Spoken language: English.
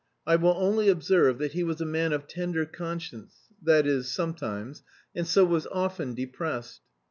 I will only observe that he was a man of tender conscience (that is, sometimes) and so was often depressed.